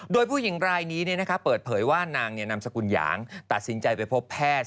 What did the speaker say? โดยผู้หญิงรายนี้เปิดเผยว่านางนามสกุลหยางตัดสินใจไปพบแพทย์